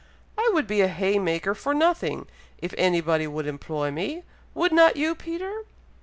"I would be a haymaker for nothing, if anybody would employ me; would not you, Peter?"